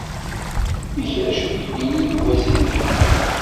Ikerrec uydi-nni Yuba seg teglult.